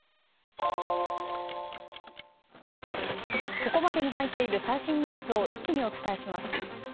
ここまでに入っている最新ニュースを一気にお伝えします。